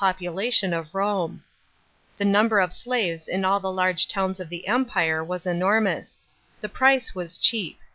593 The number of slaves in all the large towns of the Empire w»s enormous. The price was cheap.